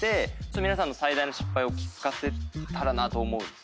皆さんの最大の失敗を聞けたらなと思いつつ。